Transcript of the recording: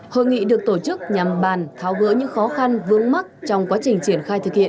hội nghị được tổ chức nhằm bàn tháo gỡ những khó khăn vướng mắt trong quá trình triển khai thực hiện